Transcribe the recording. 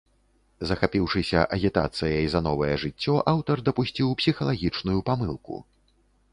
Захапіўшыся агітацыяй за новае жыццё, аўтар дапусціў псіхалагічную памылку.